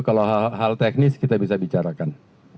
kalau hal hal teknis kita bisa bicarakan